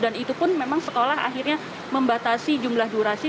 dan itu pun memang sekolah akhirnya membatasi jumlah durasi